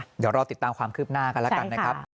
เดี๋ยวรอติดตามความคืบหน้ากันแล้วกันนะครับ